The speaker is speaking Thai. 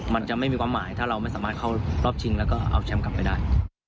มันจะไม่มีความหมายถ้าเราไม่สามารถเข้ารอบชิงแล้วก็เอาแชมป์กลับไปได้